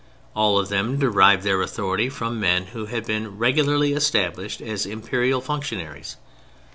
All of them derived their authority from men who had been regularly established as Imperial functionaries.